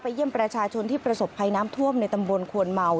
เยี่ยมประชาชนที่ประสบภัยน้ำท่วมในตำบลควนเมา